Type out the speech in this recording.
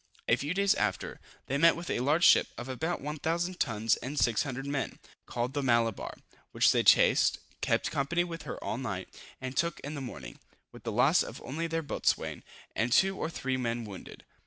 A few days after, they met with a large ship of about 1000 tons and 600 men, called the Malabar, which they chased, kept company with her all night, and took in the morning, with the loss of only their boatswain, and two or three men wounded.